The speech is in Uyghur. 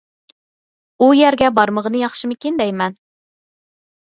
ئۇ يەرگە بارمىغىنى ياخشىمىكىن دەيمەن.